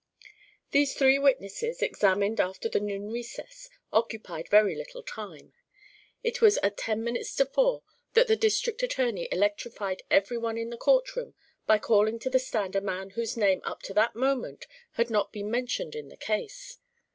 These three witnesses, examined after the noon recess, occupied very little time. It was at ten minutes to four that the district attorney electrified every one in the courtroom by calling to the stand a man whose name up to that moment had not been mentioned in the case.